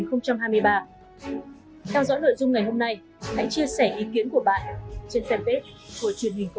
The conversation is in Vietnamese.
theo dõi nội dung ngày hôm nay hãy chia sẻ ý kiến của bạn trên fanpage của truyền hình công an